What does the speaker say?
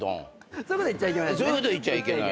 そういうこと言っちゃいけないですね。